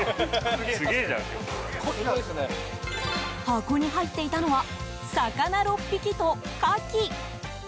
箱に入っていたのは魚６匹とカキ。